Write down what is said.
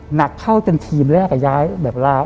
หนักเข้าเป็นทีมแล้วก็ย้ายแบบลา